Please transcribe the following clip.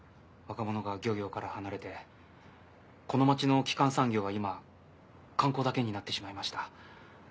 若者が漁業から離れてこの町の基幹産業は今観光だけになってしまいました。